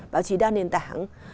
báo chí đa nền tảng